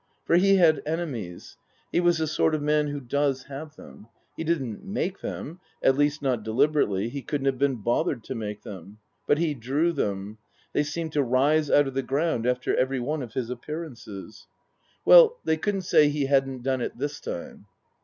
For he had enemies. He was the sort of man who does have them. He didn't make them, at least, not deliberately, he couldn't have been bothered to make them ; but he drew them ; they seemed to rise out of the ground after every one of his appearances. 158 Tasker Jevons Well, they couldn't say he hadn't done it this time.